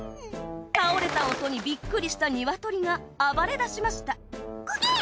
倒れた音にびっくりしたニワトリが暴れ出しましたコケーッ！